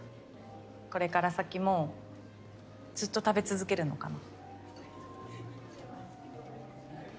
これから先もずっと食べ続けるのかな。